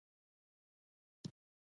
چینايي بوټي د درملنې لپاره کاریږي.